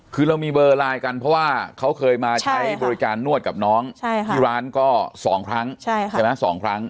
คือเรามีเบอร์ไลน์กันเพราะว่าเขาเคยมาใช้บริการนวดกับน้องที่ร้านก็๒ครั้งใช่ไหม๒ครั้ง